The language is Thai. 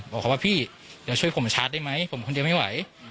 บอกเขาว่าพี่เดี๋ยวช่วยผมชาร์จได้ไหมผมคนเดียวไม่ไหว